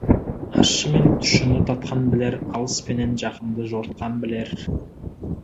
Ащы менен тұщыны татқан білер, алыс пенен жақынды жортқан білер.